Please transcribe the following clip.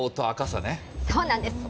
そうなんです。